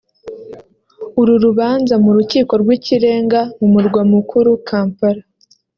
uru rubanza mu Rukiko rw’Ikirenga mu murwa mukuru Kampala